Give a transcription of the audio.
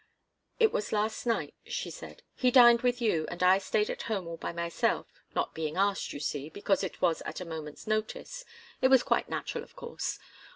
"It was last night," she said. "He dined with you, and I stayed at home all by myself, not being asked, you see, because it was at a moment's notice it was quite natural, of course.